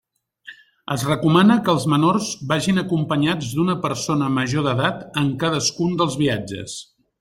Es recomana que els menors vagin acompanyats d'una persona major d'edat en cadascun dels viatges.